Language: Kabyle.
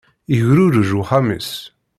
Igrurej uxxam-is.